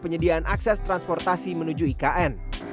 penyediaan akses transportasi menuju ikn